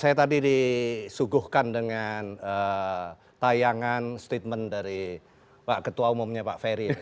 saya tadi disuguhkan dengan tayangan statement dari pak ketua umumnya pak ferry